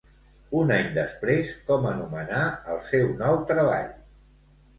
Un any després, com anomenà el seu nou treball?